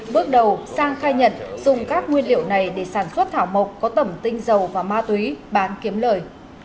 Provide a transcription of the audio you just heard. bước đầu sang khai nhận dùng các nguyên liệu này để sản xuất thảo mộc có tẩm tinh dầu và ma túy bán kiếm lời